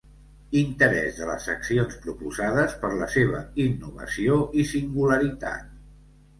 Interès de les accions proposades per la seva innovació i singularitat.